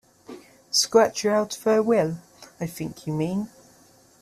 Scratch you out of her will, I think you mean?